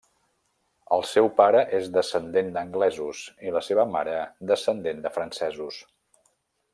El seu pare és descendent d'anglesos i la seva mare, descendent de francesos.